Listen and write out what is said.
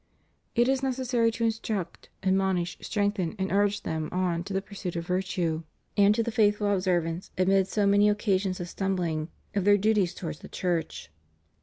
It is necessary to instruct, admonish, strengthen and urge them on to the pursuit of virtue and to the faithful observance, amid so many occasions of stumbUng, of their duties towards the Church.